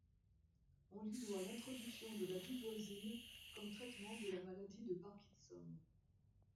On lui doit l'introduction de la duboisine comme traitement de la maladie de Parkinson.